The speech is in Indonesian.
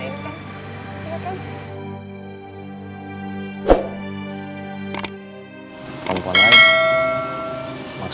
kau ketika memiliki hubungan bandung